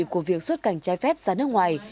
của việc xuất cảnh trái phép ra nước ngoài